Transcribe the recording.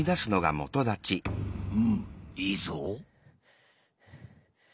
うんいいぞ。